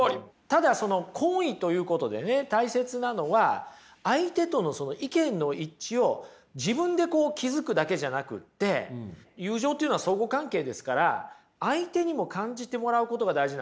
ただその好意ということでね大切なのは相手との意見の一致を自分で気付くだけじゃなくって友情っていうのは相互関係ですから相手にも感じてもらうことが大事なんですよ。